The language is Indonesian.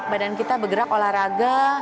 badan kita bergerak olahraga